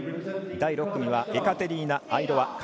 第６組はエカテリーナ・アイドワ。